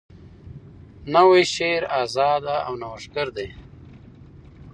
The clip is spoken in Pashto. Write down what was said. نوی شعر آزاده او نوښتګر دی.